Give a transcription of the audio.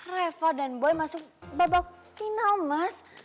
revo dan boy masuk babak final mas